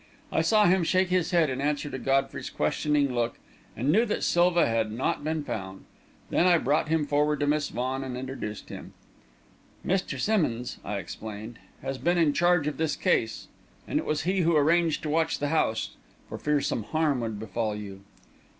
I saw him shake his head in answer to Godfrey's questioning look and knew that Silva had not been found. Then I brought him forward to Miss Vaughan and introduced him. "Mr. Simmonds," I explained, "has been in charge of this case; and it was he who arranged to watch the house, for fear some harm would befall you...."